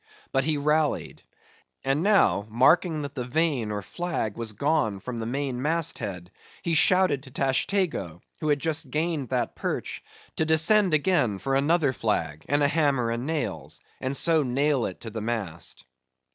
But he rallied. And now marking that the vane or flag was gone from the main mast head, he shouted to Tashtego, who had just gained that perch, to descend again for another flag, and a hammer and nails, and so nail it to the mast.